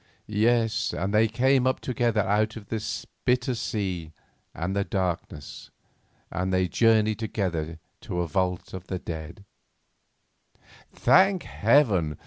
Yes, and they came up together out of the bitter sea and the darkness, and they journeyed together to a vault of the dead—— Thank Heaven!